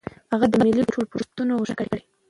هغه د ملي ټولپوښتنې غوښتنه کړې.